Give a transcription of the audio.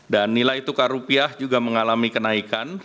dan nilai tukar rupiah juga mengalami kenaikan